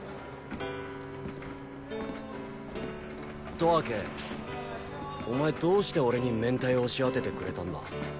十朱お前どうして俺に面体押し当ててくれたんだ？